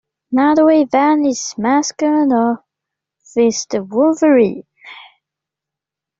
Nodaway Valley's mascot of is the wolverine.